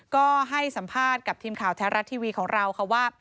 ก็ให้สัมภาษณ์กับทีมข่าวแท้รัฐทีวีของเราค่ะว่า